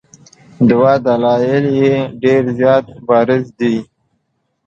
دوه دلایل یې ډېر زیات بارز دي.